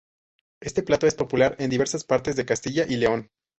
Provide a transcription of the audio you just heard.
Este plato es popular en diversas partes de Castilla y León.